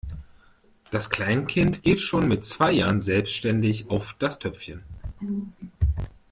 Das Kleinkind geht schon mit zwei Jahren selbstständig auf das Töpfchen.